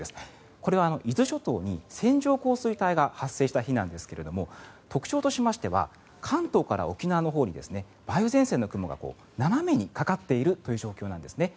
これは伊豆諸島に線状降水帯が発生した日なんですが特徴としましては関東から沖縄のほうに梅雨前線の雲が斜めにかかっているという状況なんですね。